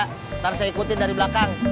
nanti saya ikutin dari belakang